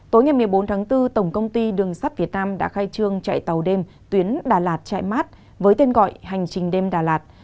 tối ngày một mươi bốn tháng bốn tổng công ty đường sắt việt nam đã khai trương chạy tàu đêm tuyến đà lạt chạy mát với tên gọi hành trình đêm đà lạt